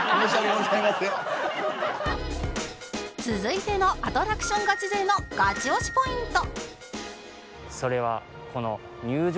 続いてのアトラクションガチ勢のガチ推しポイント